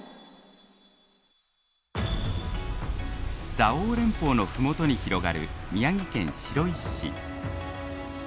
蔵王連峰の麓に広がる宮城県白石市。